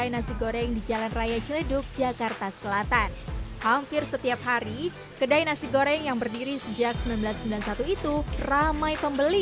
nasi goreng kambing petai